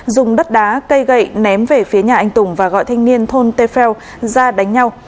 dùng đất đá cây gậy ném về phía nhà anh tùng và gọi thanh niên thôn tép pheo ra đánh nhau